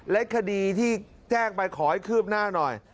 และคดีที่แจ้งไปขอให้คืบหน้าหน่อย